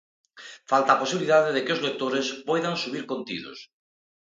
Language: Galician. Falta a posibilidade de que os lectores poidan subir contidos.